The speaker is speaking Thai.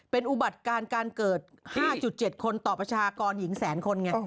เป็นอุบัติการการเกิด๕๗คนต่อประชากรหญิงแสนคนไง